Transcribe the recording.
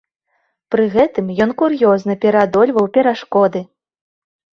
Пры гэтым ён кур'ёзна пераадольваў перашкоды.